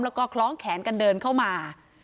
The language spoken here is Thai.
แล้วก็คล้องแขนกันเดินเข้ามา